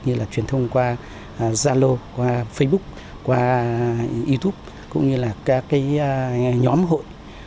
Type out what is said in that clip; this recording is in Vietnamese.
như là truyền thông qua zalo qua facebook qua youtube cũng như là các cái nhóm hội